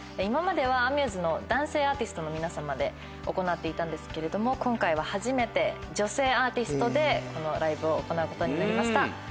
今まではアミューズの男性アーティストの皆様で行っていたんですけれども今回は初めて女性アーティストでこのライブを行うことになりました。